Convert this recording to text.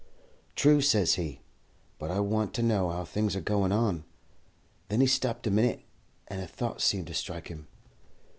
"'True,' says he, 'but I want to know how things are goin' on.' Then he stopped a minit, and a thought seemed to strike him.